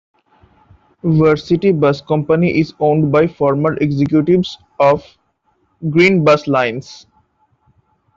Varsity Bus Company is owned by former executives of Green Bus Lines.